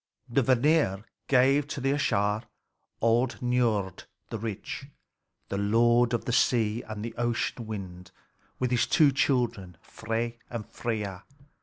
The Vanir gave to the Æsir old Niörd the rich, the lord of the sea and the ocean wind, with his two children, Frey and Freia.